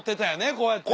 こうやって。